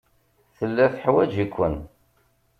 Tella teḥwaj-iken.